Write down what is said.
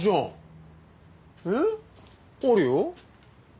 あるよ？